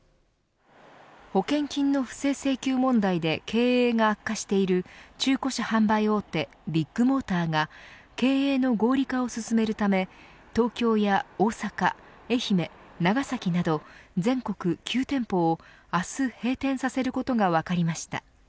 保険金の不正請求問題で経営が悪化している中古車販売大手ビッグモーターが経営の合理化を進めるため東京や大阪、愛媛長崎など全国９店舗を明日、閉店させることが分かりました。